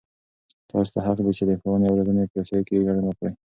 تاسې ته حق دی چې د ښووني او روزنې پروسې کې ګډون وکړئ.